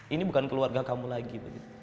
ini bukan keluarga kamu lagi